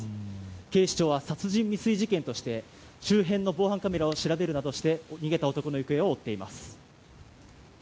警視庁は殺人未遂事件として周辺の防犯カメラを調べるなどして逃げた男の行方を追っています。